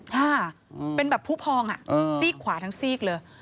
ค่ะเป็นแบบผู้พองซีกขวาทั้งซีกเลย